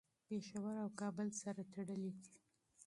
پېښور او کابل تل سره تړلي دي.